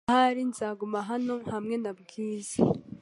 Ahari nzaguma hano hamwe na Bwiza .